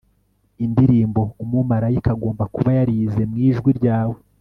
indirimbo umumarayika agomba kuba yarize mwijwi ryawe